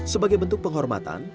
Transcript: sebagai bentuk penghormatan